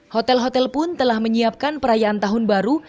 hotel hotel pun telah menyiapkan perayaan tahun baru